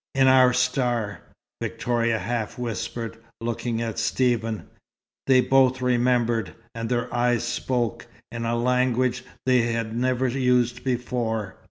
"In our star," Victoria half whispered, looking at Stephen. They both remembered, and their eyes spoke, in a language they had never used before.